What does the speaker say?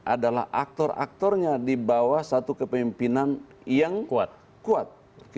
adalah aktor aktornya dibawah satu kepemimpinan yang kuat